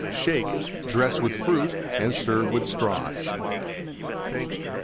Shake; dress with Fruit and serve with Straws.